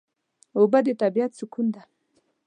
اوبه د طبیعت سکون ده.